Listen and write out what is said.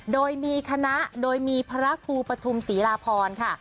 โดยมีคณะโดยมีพระครูปฐุมศรีราพรค่ะ